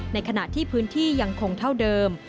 ในขณะที่พื้นที่ยังคงเท่าเดิม